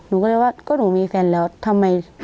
หนูก็เลยว่าก็หนูมีแฟนแล้วทำไม